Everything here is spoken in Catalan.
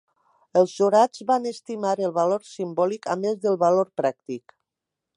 Els jurats van estimar el valor simbòlic a més del valor pràctic.